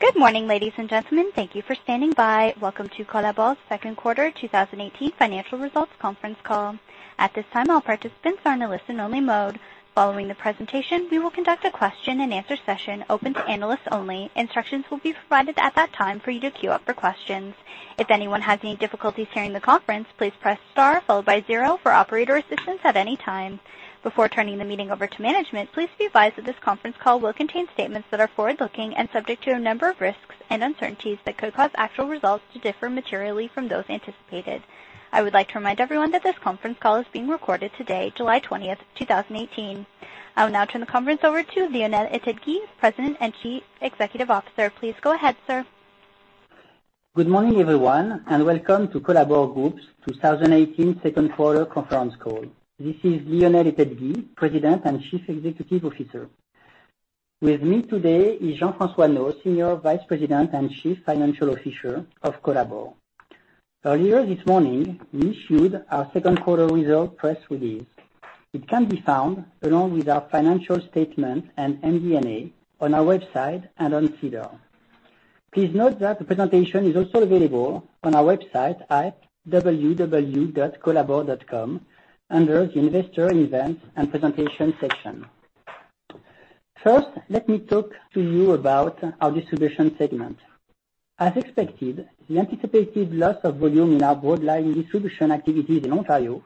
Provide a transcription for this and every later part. Good morning, ladies and gentlemen. Thank you for standing by. Welcome to Colabor's second quarter 2018 financial results conference call. At this time, all participants are in a listen-only mode. Following the presentation, we will conduct a question and answer session open to analysts only. Instructions will be provided at that time for you to queue up for questions. If anyone has any difficulties hearing the conference, please press star followed by zero for operator assistance at any time. Before turning the meeting over to management, please be advised that this conference call will contain statements that are forward-looking and subject to a number of risks and uncertainties that could cause actual results to differ materially from those anticipated. I would like to remind everyone that this conference call is being recorded today, July 20th, 2018. I will now turn the conference over to Lionel Ettedgui, President and Chief Executive Officer. Please go ahead, sir. Good morning, everyone, and welcome to Colabor Group's 2018 second quarter conference call. This is Lionel Ettedgui, President and Chief Executive Officer. With me today is Jean-François Neault, Senior Vice President and Chief Financial Officer of Colabor. Earlier this morning, we issued our second quarter results press release. It can be found along with our financial statement and MD&A on our website and on SEDAR. Please note that the presentation is also available on our website at www.colabor.com under the investor events and presentations section. Let me talk to you about our distribution segment. As expected, the anticipated loss of volume in our broadline distribution activities in Ontario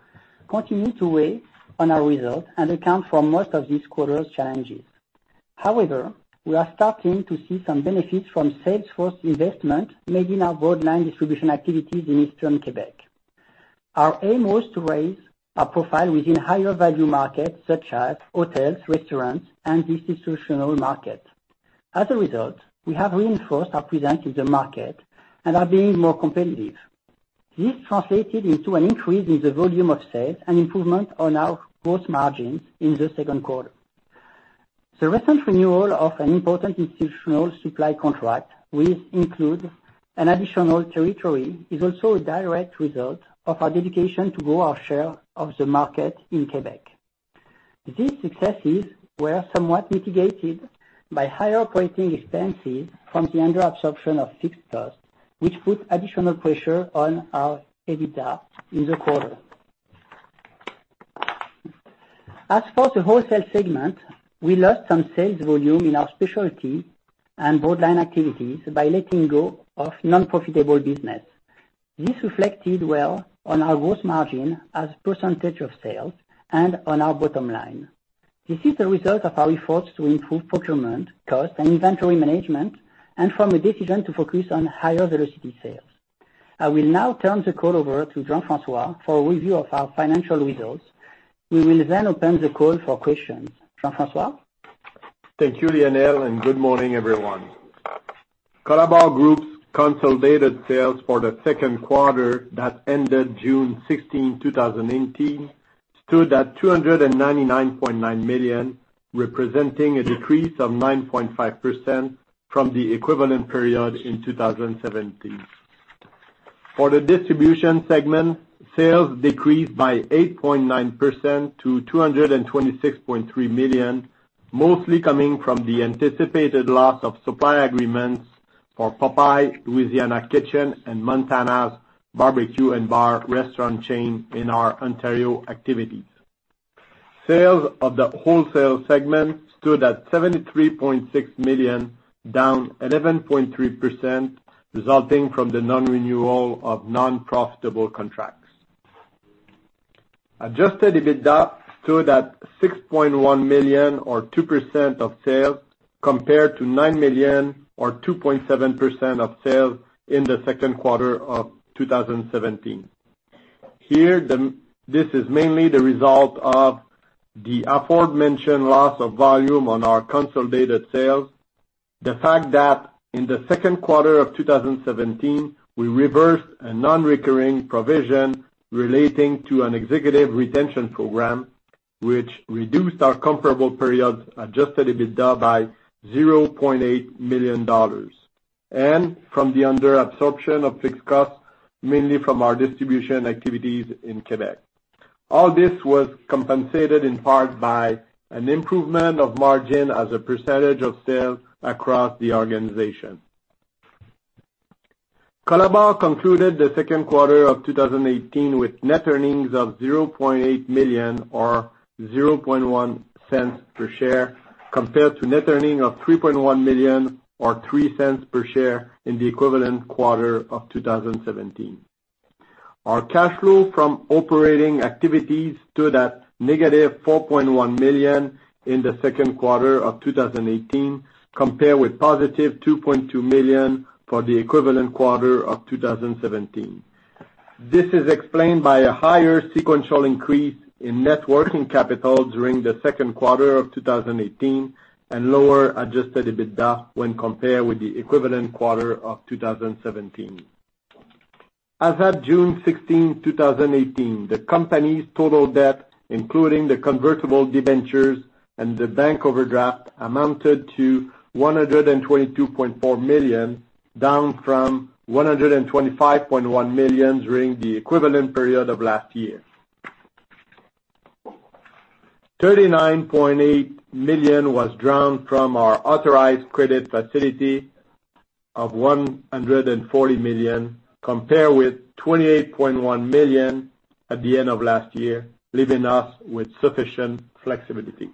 continued to weigh on our results and account for most of this quarter's challenges. However, we are starting to see some benefits from sales force investment made in our broadline distribution activities in eastern Quebec. Our aim was to raise our profile within higher value markets such as hotels, restaurants, and the institutional market. As a result, we have reinforced our presence in the market and are being more competitive. This translated into an increase in the volume of sales and improvement on our gross margins in the second quarter. The recent renewal of an important institutional supply contract, which includes an additional territory, is also a direct result of our dedication to grow our share of the market in Quebec. These successes were somewhat mitigated by higher operating expenses from the under-absorption of fixed costs, which put additional pressure on our EBITDA in the quarter. As for the wholesale segment, we lost some sales volume in our specialty and broadline activities by letting go of non-profitable business. This reflected well on our gross margin as a percentage of sales and on our bottom line. This is the result of our efforts to improve procurement, cost, and inventory management and from a decision to focus on higher velocity sales. I will now turn the call over to Jean-François for a review of our financial results. We will then open the call for questions. Jean-François? Thank you, Lionel. Good morning, everyone. Colabor Group's consolidated sales for the second quarter that ended June 16th, 2018, stood at 299.9 million, representing a decrease of 9.5% from the equivalent period in 2017. For the distribution segment, sales decreased by 8.9% to 226.3 million, mostly coming from the anticipated loss of supply agreements for Popeyes Louisiana Kitchen and Montana's BBQ & Bar restaurant chain in our Ontario activities. Sales of the wholesale segment stood at 73.6 million, down 11.3%, resulting from the non-renewal of non-profitable contracts. Adjusted EBITDA stood at 6.1 million or 2% of sales, compared to 9 million or 2.7% of sales in the second quarter of 2017. Here, this is mainly the result of the aforementioned loss of volume on our consolidated sales. The fact that in the second quarter of 2017, we reversed a non-recurring provision relating to an executive retention program, which reduced our comparable period's Adjusted EBITDA by 0.8 million dollars, and from the under-absorption of fixed costs, mainly from our distribution activities in Quebec. All this was compensated in part by an improvement of margin as a percentage of sales across the organization. Colabor concluded the second quarter of 2018 with net earnings of 0.8 million or 0.001 per share compared to net earning of 3.1 million or 0.03 per share in the equivalent quarter of 2017. Our cash flow from operating activities stood at negative 4.1 million in the second quarter of 2018, compared with positive 2.2 million for the equivalent quarter of 2017. This is explained by a higher sequential increase in net working capital during the second quarter of 2018 and lower Adjusted EBITDA when compared with the equivalent quarter of 2017. As at June 16th, 2018, the company's total debt, including the convertible debentures and the bank overdraft, amounted to 122.4 million, down from 125.1 million during the equivalent period of last year. 39.8 million was drawn from our authorized credit facility of 140 million, compared with 28.1 million at the end of last year, leaving us with sufficient flexibility.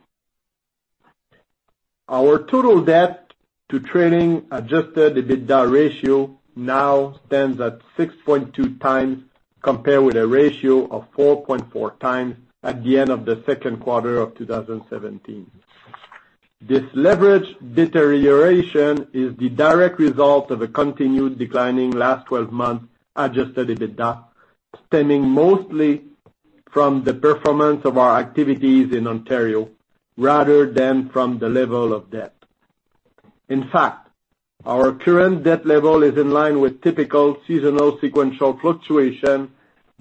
Our total debt to trailing adjusted EBITDA ratio now stands at 6.2 times, compared with a ratio of 4.4 times at the end of the second quarter of 2017. This leverage deterioration is the direct result of a continued declining last 12 months adjusted EBITDA, stemming mostly from the performance of our activities in Ontario rather than from the level of debt. In fact, our current debt level is in line with typical seasonal sequential fluctuation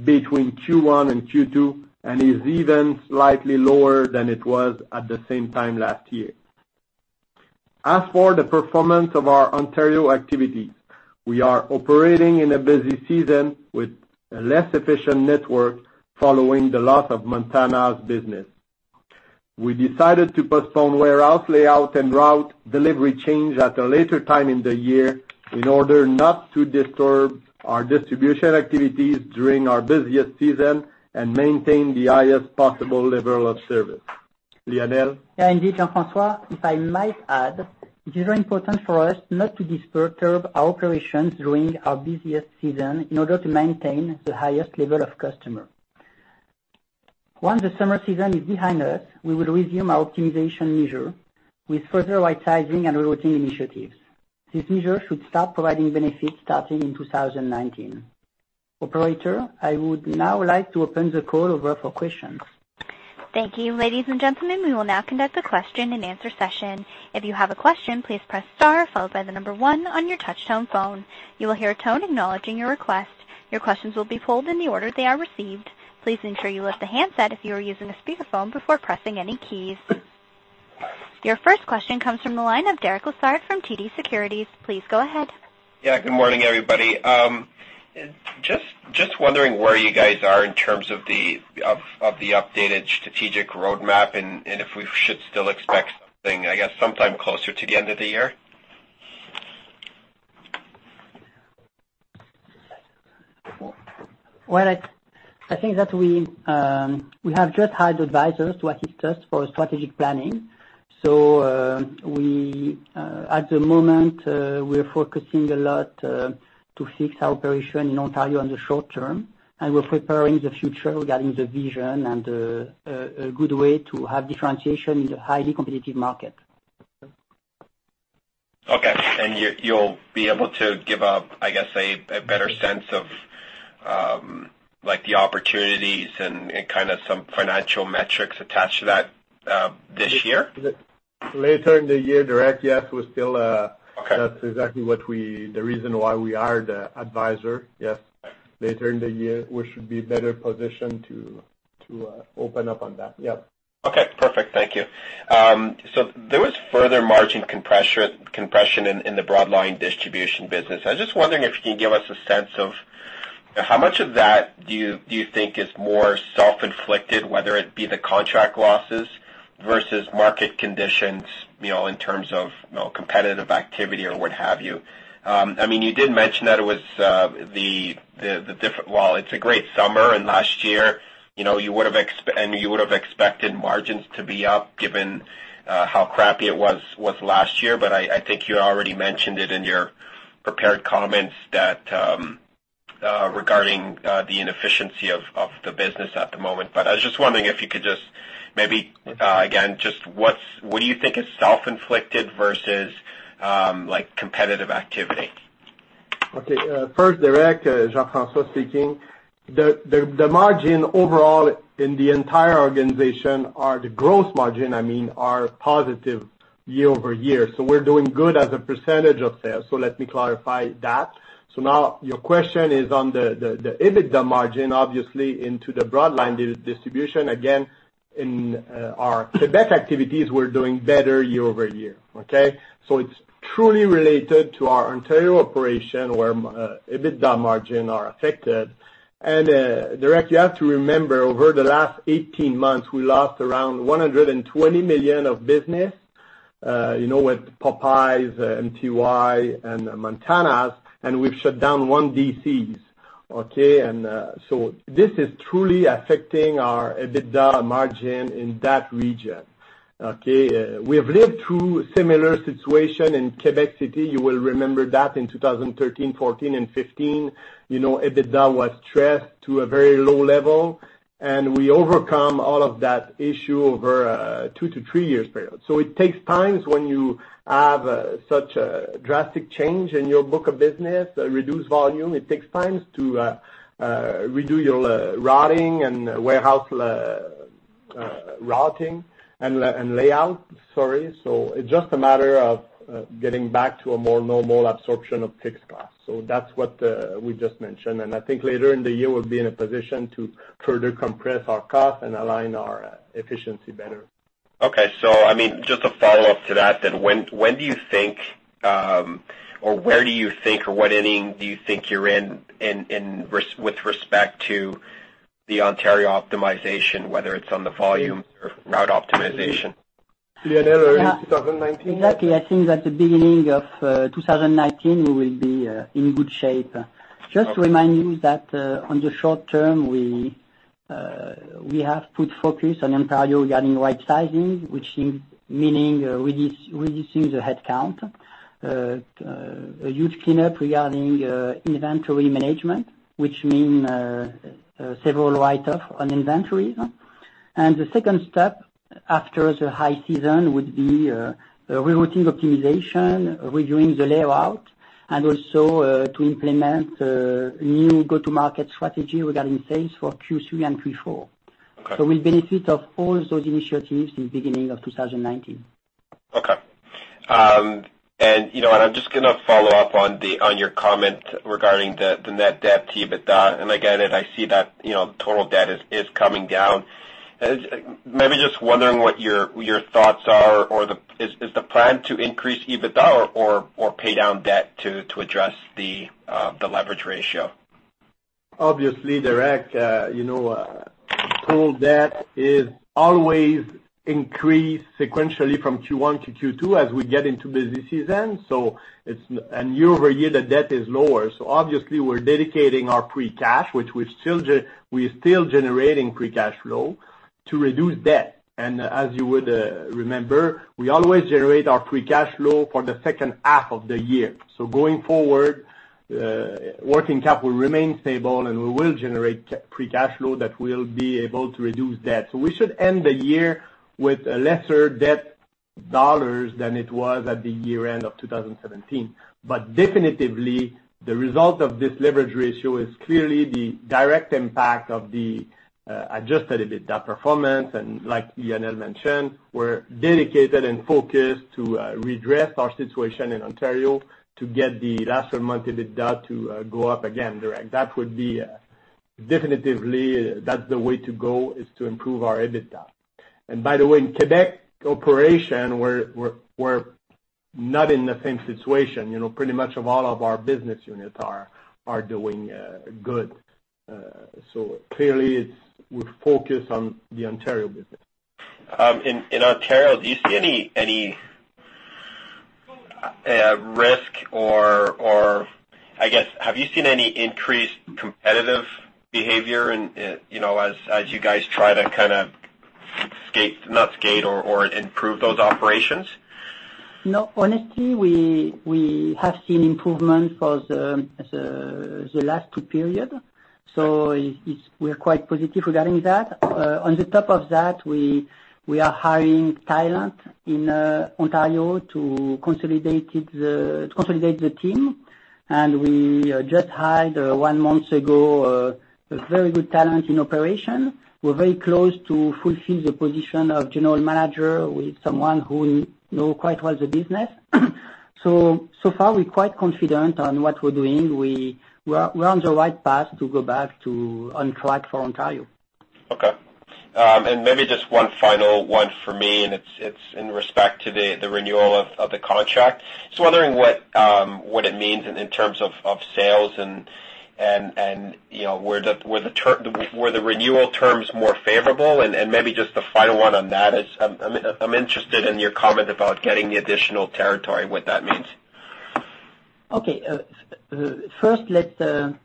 between Q1 and Q2, and is even slightly lower than it was at the same time last year. As for the performance of our Ontario activities, we are operating in a busy season with a less efficient network following the loss of Montana's business. We decided to postpone warehouse layout and route delivery change at a later time in the year in order not to disturb our distribution activities during our busiest season and maintain the highest possible level of service. Lionel? Yeah, indeed, Jean-François. If I might add, it is very important for us not to disturb our operations during our busiest season in order to maintain the highest level of customer. Once the summer season is behind us, we will resume our optimization measure with further right-sizing and routing initiatives. This measure should start providing benefits starting in 2019. Operator, I would now like to open the call over for questions. Thank you. Ladies and gentlemen, we will now conduct a question and answer session. If you have a question, please press star followed by the number one on your touchtone phone. You will hear a tone acknowledging your request. Your questions will be pulled in the order they are received. Please ensure you lift the handset if you are using a speakerphone before pressing any keys. Your first question comes from the line of Derek Lessard from TD Securities. Please go ahead. Good morning, everybody. Just wondering where you guys are in terms of the updated strategic roadmap and if we should still expect something, I guess, sometime closer to the end of the year. I think that we have just hired advisors to assist us for strategic planning. At the moment, we're focusing a lot to fix our operation in Ontario in the short term, and we're preparing the future regarding the vision and a good way to have differentiation in the highly competitive market. You'll be able to give a, I guess, a better sense of the opportunities and kind of some financial metrics attached to that this year? Later in the year, Derek, yes. That's exactly the reason why we are the advisor. Yes. Later in the year, we should be better positioned to open up on that. Yep. Okay, perfect. Thank you. There was further margin compression in the broad line distribution business. I was just wondering if you could give us a sense of how much of that do you think is more self-inflicted, whether it be the contract losses versus market conditions, in terms of competitive activity or what have you. You did mention that it's a great summer, and last year, and you would have expected margins to be up given how crappy it was last year. I think you already mentioned it in your prepared comments regarding the inefficiency of the business at the moment. I was just wondering if you could just maybe, again, just what do you think is self-inflicted versus competitive activity? Okay. First, Derek Lessard, Jean-François Neault speaking. The margin overall in the entire organization are the gross margin, I mean, are positive year-over-year. We're doing good as a percentage of sales. Let me clarify that. Now your question is on the EBITDA margin, obviously, into the broad line distribution. Again, in our Quebec activities, we're doing better year-over-year. Okay? It's truly related to our Ontario operation, where EBITDA margin are affected. Derek, you have to remember, over the last 18 months, we lost around 120 million of business, with Popeyes, MTY, and Montana's, and we've shut down one DCs. Okay? This is truly affecting our EBITDA margin in that region. Okay? We have lived through a similar situation in Quebec City. You will remember that in 2013, 2014, and 2015. EBITDA was stressed to a very low level, and we overcome all of that issue over a two to three years period. It takes times when you have such a drastic change in your book of business, a reduced volume. It takes times to redo your routing and warehouse layout. It's just a matter of getting back to a more normal absorption of fixed costs. That's what we just mentioned, and I think later in the year, we'll be in a position to further compress our cost and align our efficiency better. Okay. Just a follow-up to that then. When do you think, or where do you think, or what inning do you think you're in with respect to the Ontario optimization, whether it's on the volume or route optimization? Lionel, early 2019? Exactly. I think that the beginning of 2019, we will be in good shape. Just to remind you that on the short term, we have put focus on Ontario regarding right-sizing, which means reducing the headcount. A huge cleanup regarding inventory management, which means several write-off on inventories. The second step after the high season would be rerouting optimization, reviewing the layout, and also to implement a new go-to-market strategy regarding sales for Q3 and Q4. Okay. We'll benefit of all those initiatives in beginning of 2019. Okay. I'm just going to follow up on your comment regarding the net debt to EBITDA. Again, I see that total debt is coming down. Maybe just wondering what your thoughts are, or is the plan to increase EBITDA or pay down debt to address the leverage ratio? Obviously, Derek Lessard, total debt is always increased sequentially from Q1 to Q2 as we get into busy season. A year-over-year the debt is lower. Obviously, we're dedicating our free cash, which we're still generating free cash flow, to reduce debt. As you would remember, we always generate our free cash flow for the 2nd half of the year. Going forward, working capital remains stable, and we will generate free cash flow that will be able to reduce debt. We should end the year with a lesser debt dollars than it was at the year-end of 2017. Definitely, the result of this leverage ratio is clearly the direct impact of the adjusted EBITDA performance. Like Lionel Ettedgui mentioned, we're dedicated and focused to redress our situation in Ontario to get the last month EBITDA to go up again, Derek Lessard. That would be definitely, that's the way to go, is to improve our EBITDA. By the way, in Quebec operation, we're not in the same situation. Pretty much of all of our business units are doing good. Clearly, we focus on the Ontario business. In Ontario, do you see any risk or, I guess, have you seen any increased competitive behavior as you guys try to kind of skate, not skate or improve those operations? No. Honestly, we have seen improvements for the last two periods, we're quite positive regarding that. On top of that, we are hiring talent in Ontario to consolidate the team, we just hired one month ago, a very good talent in operation. We're very close to fulfill the position of general manager with someone who knows quite well the business. Far, we're quite confident on what we're doing. We're on the right path to get back on track for Ontario. Okay. Maybe just one final one for me, it's in respect to the renewal of the contract. Just wondering what it means in terms of sales were the renewal terms more favorable? Maybe just the final one on that is I'm interested in your comment about getting the additional territory, what that means. Okay. First, let's tell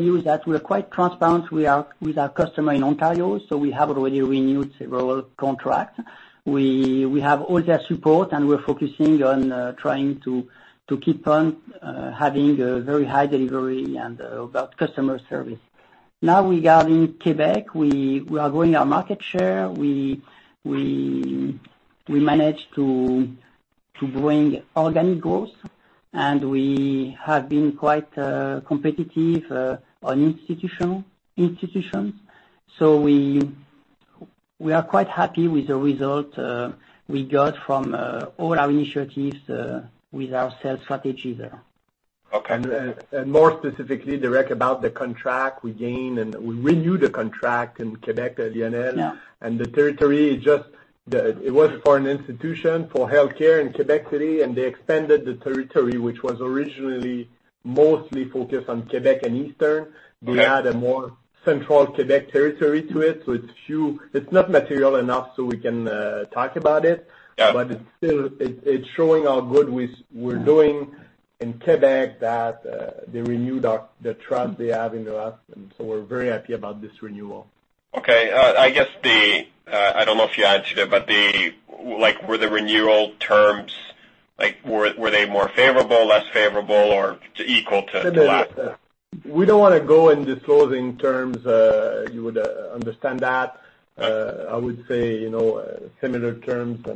you that we are quite transparent with our customer in Ontario, we have already renewed several contracts. We have all their support, we're focusing on trying to keep on having a very high delivery about customer service. Regarding Quebec, we are growing our market share. We managed to bring organic growth, we have been quite competitive on institutions. We are quite happy with the result we got from all our initiatives with our sales strategy there. Okay. More specifically, Derek, about the contract we gained, we renewed the contract in Quebec, Lionel. Yeah. The territory, it was for an institution for healthcare in Quebec City, they expanded the territory, which was originally mostly focused on Quebec and Eastern. Okay. We had a more central Quebec territory to it. It's not material enough, we can talk about it. Got it. It's showing how good we're doing in Quebec that they renewed the trust they have in us, we're very happy about this renewal. Okay. I guess I don't know if you answered it, were the renewal terms, were they more favorable, less favorable, or equal to last? Similar. We don't want to go in disclosing terms. You would understand that. Okay. I would say similar terms,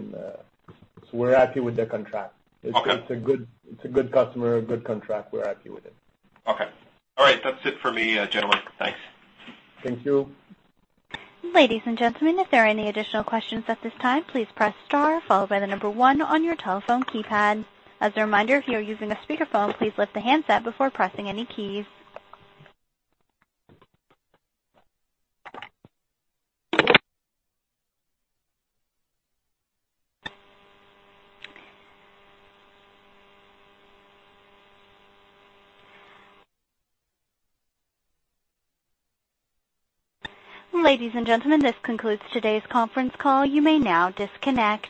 we're happy with the contract. Okay. It's a good customer, a good contract. We're happy with it. Okay. All right. That's it for me, gentlemen. Thanks. Thank you. Ladies and gentlemen, if there are any additional questions at this time, please press star followed by the number one on your telephone keypad. As a reminder, if you are using a speakerphone, please lift the handset before pressing any keys. Ladies and gentlemen, this concludes today's conference call. You may now disconnect.